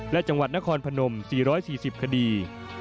และจังหวัดนครพนม๔๔๐คดี